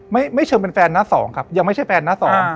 ไม่ไม่เชิงเป็นแฟนหน้าสองครับยังไม่ใช่แฟนหน้าสอง